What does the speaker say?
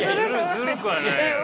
ずるくはないよ。